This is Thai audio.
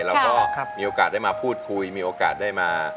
เราก็มีโอกาสได้มาพูดคุยมีโอกาสได้มา